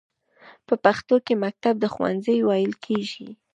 په پښتو کې مکتب ته ښوونځی ویل کیږی.